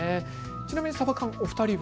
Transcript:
ちなみにサバ缶、お二人は。